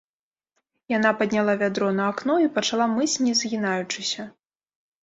Яна падняла вядро на акно і пачала мыць не згінаючыся.